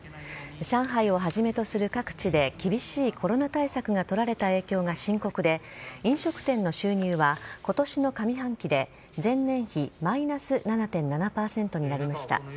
上海をはじめとする各地で厳しいコロナ対策が取られた影響が深刻で飲食店の収入は今年の上半期で前年比マイナス７．７％になりました。